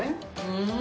うん！